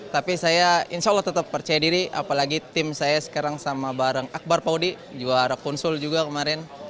tapi saya insya allah tetap percaya diri apalagi tim saya sekarang sama bareng akbar paudi juara konsul juga kemarin